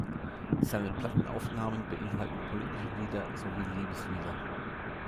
Seine Plattenaufnahmen beinhalten politische Lieder sowie Liebeslieder.